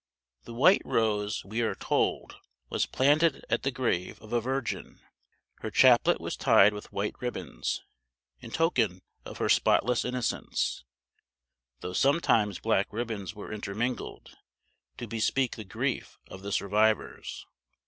The white rose, we are told, was planted at the grave of a virgin; her chaplet was tied with white ribbons, in token of her spotless innocence, though sometimes black ribbons were intermingled, to bespeak the grief of the survivors.